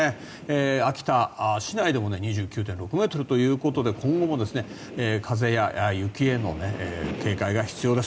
秋田市内でも２９．６ｍということで今後も風や雪への警戒が必要です。